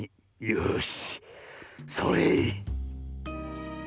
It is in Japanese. よしそれ！